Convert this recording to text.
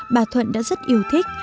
bà thuận đã rất yêu thích